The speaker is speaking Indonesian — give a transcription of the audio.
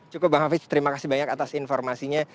cukup bang hafiz terima kasih banyak atas informasinya